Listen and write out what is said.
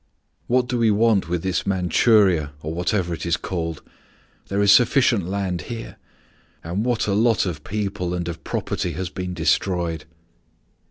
What do we want with this Manchuria, or whatever it is called? There is sufficient land here. And what a lot of people and of property has been destroyed."